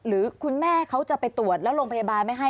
หรือคุณแม่เขาจะไปตรวจแล้วโรงพยาบาลไม่ให้